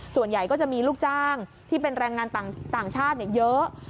ส่วนใหญ่ก็จะมีลูกจ้างที่เป็นแรงงานต่างชาติเยอะ